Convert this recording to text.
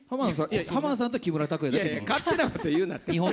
浜田さんと木村拓哉さんだけ勝手なこと言うなって。